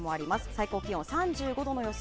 最高気温３５度の予想。